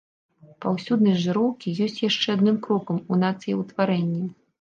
Паўсюднасць жыроўкі ёсць яшчэ адным крокам у нацыяўтварэнні.